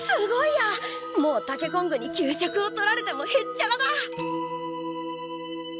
もうタケコングに給食を取られてもへっちゃらだ！